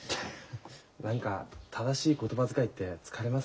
何か正しい言葉遣いって疲れますね